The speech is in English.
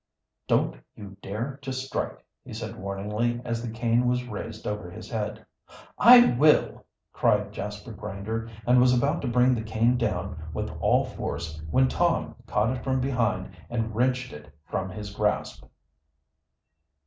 "Don't you dare to strike!" he said warningly, as the cane was raised over his head. "I will!" cried Jasper Grinder, and was about to bring the cane down with all force when Tom caught it from behind and wrenched it from his grasp.